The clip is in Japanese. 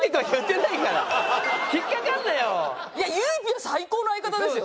いやゆいＰは最高の相方ですよ。